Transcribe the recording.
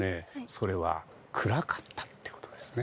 それは暗かったっていう事ですね。